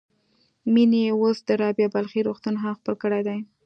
مينې اوس د رابعه بلخي روغتون هم خپل کړی دی.